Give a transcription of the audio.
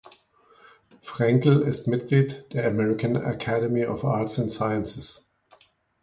Frenkel ist Mitglied der American Academy of Arts and Sciences.